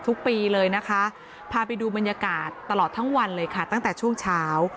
ทุกปีเลยนะคะพาไปดูบรรยากาศตลอดทั้งวันเลยค่ะตั้งแต่ช่วงเช้า